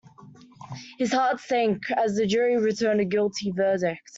His heart sank as the jury returned a guilty verdict.